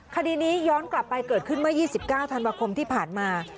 คดีนี้ย้อนกลับไปเกิดขึ้นเมื่อ๒๙ธันวาคมที่ผ่านมา